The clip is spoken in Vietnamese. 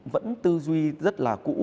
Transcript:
vẫn tư duy rất là cũ